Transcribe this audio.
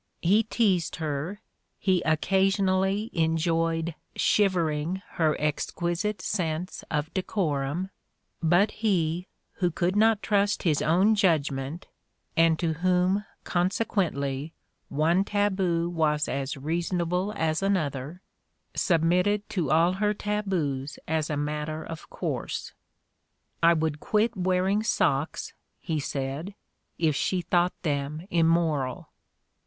He teased her, he occasionally enjoyed "shivering" her "exquisite sense of decorum"; but he, who could not trust his own judgment and to whom, consequently, one taboo was as reasonable as an Ii6 The Ordeal of Mark Twain other, submitted to all her taboos as a matter of course. "I would quit wearing socks," he said, "if she thought them immoral."